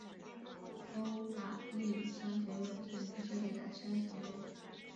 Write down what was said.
欧法利商学院之名设立的商学院。